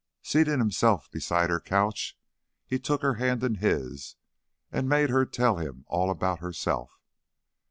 Seating himself beside her couch, he took her hand in his and made her tell him all about herself.